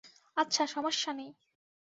আচ্ছা সমস্যা নেই।